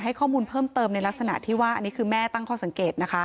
ให้ข้อมูลเพิ่มเติมในลักษณะที่ว่าอันนี้คือแม่ตั้งข้อสังเกตนะคะ